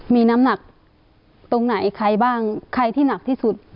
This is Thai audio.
มีน้ำหนักตรงไหนใครบ้างใครที่หนักที่สุด